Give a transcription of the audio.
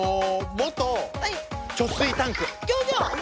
元貯水タンク。